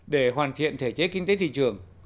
để hoàn thiện thể chế kinh tế thị trường